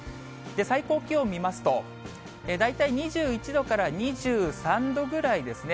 最高気温見ますと、大体２１度から２３度ぐらいですね。